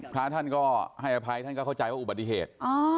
พระท่านก็ให้อภัยท่านก็เข้าใจว่าอุบัติเหตุ